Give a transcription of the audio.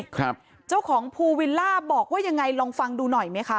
ครับเจ้าของภูวิลล่าบอกว่ายังไงลองฟังดูหน่อยไหมคะ